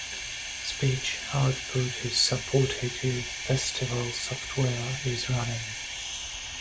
Speech output is supported if Festival software is running.